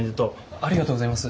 ありがとうございます。